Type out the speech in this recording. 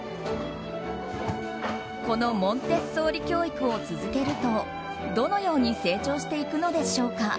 このモンテッソーリ教育を続けるとどのように成長していくのでしょうか。